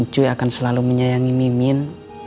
cuy akan selalu menyayangi mimin